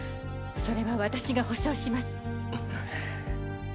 それは私が保証します！